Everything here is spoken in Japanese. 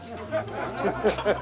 ハハハハハ。